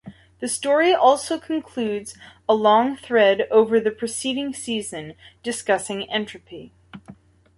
The story also concludes a long thread over the preceding season, discussing entropy.